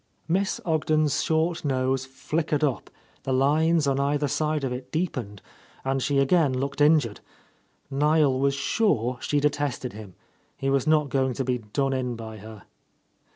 Miss Ogden's short nose flickered up, the lines on either side of it deepened, and she again looked injured. Niel was sure she detested him. He was not going to be done in by her.